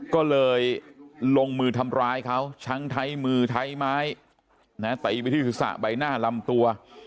ก็เลยลงมือทำร้ายเขาทั้งไทยมือไทยไม้ตีไปที่ศีรษะใบหน้าลำตัว